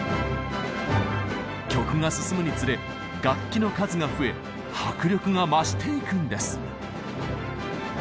曲が進むにつれ楽器の数が増え迫力が増していくんです。